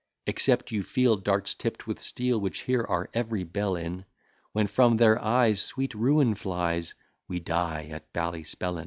Except you feel darts tipp'd with steel, Which here are every belle in: When from their eyes sweet ruin flies, We die at Ballyspellin.